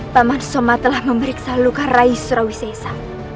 paman soma telah memeriksa luka rais surawisesa